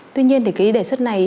tuy nhiên thì cái đề xuất này